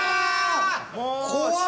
怖っ！